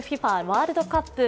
ワールドカップ。